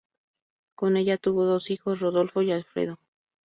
Con ella tuvo dos hijos: Rodolfo y Alfredo.